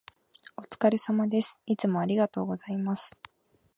お疲れ様です。いつもありがとうございます。